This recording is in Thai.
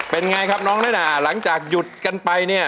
เป็นอย่างไรครับน้องน่าหลังจากหยุดกันไป